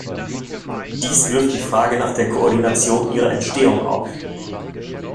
Dies wirft die Frage nach der Koordination ihrer Entstehung auf.